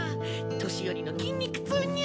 年寄りの筋肉痛ニャ。